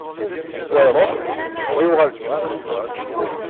Wa iruḥ, wa yuɣal-d.